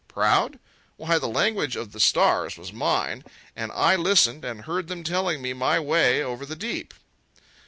Proud? Why, the language of the stars was mine, and I listened and heard them telling me my way over the deep.